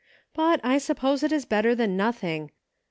But. I suppose it is better than nothing.